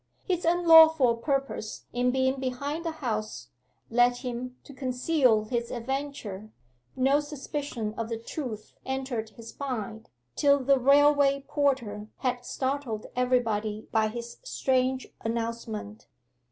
'His unlawful purpose in being behind the house led him to conceal his adventure. No suspicion of the truth entered his mind till the railway porter had startled everybody by his strange announcement.